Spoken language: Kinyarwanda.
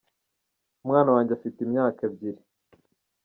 umwana wanjye afite imyaka ebyiri